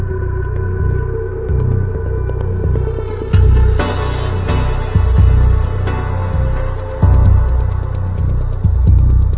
โปรดติดตามตอนต่อไป